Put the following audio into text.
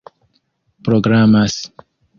programas